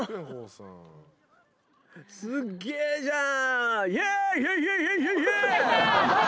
すげえじゃん。